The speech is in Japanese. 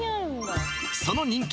その人気